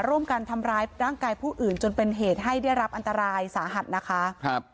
ร่วมกันทำร้ายร่างกายผู้อื่นจนเป็นเหตุให้ได้รับอันตรายสาหัสนะคะครับ